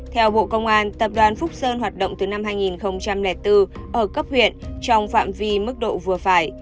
theo bộ công an tập đoàn phúc sơn hoạt động từ năm hai nghìn bốn ở cấp huyện trong phạm vi mức độ vừa phải